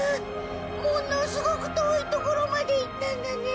ものすごく遠いところまで行ったんだね！